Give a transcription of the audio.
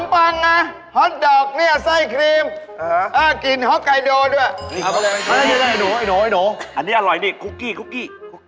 เป็นเท่าไร